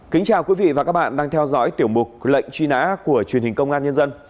kính chào quý vị và các bạn đang theo dõi tiểu mục lệnh truy nã của truyền hình công an nhân dân